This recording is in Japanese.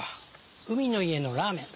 海の家のラーメン。